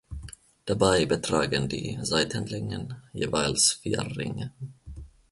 Dabei betragen die Seitenlängen jeweils vier Ringe.